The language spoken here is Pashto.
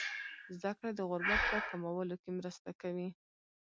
زده کړه د غربت په کمولو کې مرسته کوي.